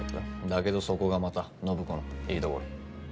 だけどそこがまた暢子のいいところ。